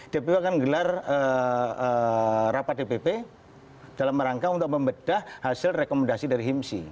dpp akan menggelar rapat dpp dalam rangka untuk membedah hasil rekomendasi dari himsi